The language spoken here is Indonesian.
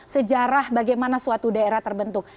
sejarah bagaimana suatu daerah terbentuk